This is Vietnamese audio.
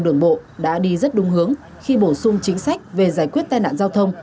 đường bộ đã đi rất đúng hướng khi bổ sung chính sách về giải quyết tai nạn giao thông